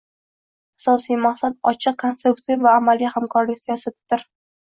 Asosiy maqsad – ochiq, konstruktiv va amaliy hamkorlik siyosatidir